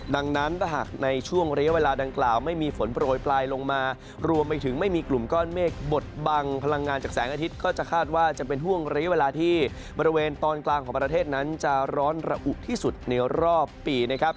ดังนั้นถ้าหากในช่วงระยะเวลาดังกล่าวไม่มีฝนโปรยปลายลงมารวมไปถึงไม่มีกลุ่มก้อนเมฆบดบังพลังงานจากแสงอาทิตย์ก็จะคาดว่าจะเป็นห่วงระยะเวลาที่บริเวณตอนกลางของประเทศนั้นจะร้อนระอุที่สุดในรอบปีนะครับ